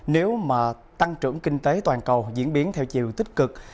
nếu mà tăng trưởng kinh tế toàn cầu diễn biến theo chiều tích cực